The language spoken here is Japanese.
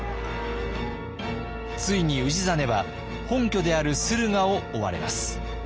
ついに氏真は本拠である駿河を追われます。